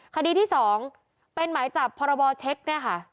คดีที่๒เป็นหมายจับพรบเช็คเนี่ยค่ะ